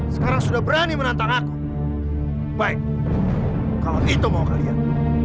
sekarang sudah berani menantang aku baik kalau itu mau kalian